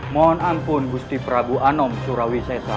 mohon ampun gusti prabu anom surawisesa